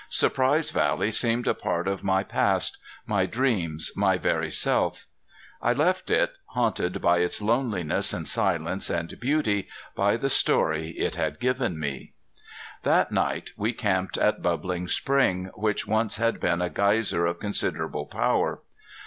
Surprise Valley seemed a part of my past, my dreams, my very self. I left it, haunted by its loneliness and silence and beauty, by the story it had given me. That night we camped at Bubbling Spring, which once had been a geyser of considerable power.